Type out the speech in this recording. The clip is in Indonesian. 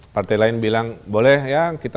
partai lain bilang boleh ya kita